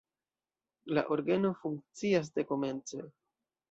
La orgeno funkcias dekomence.